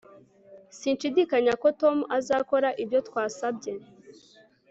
Sinshidikanya ko Tom azakora ibyo twasabye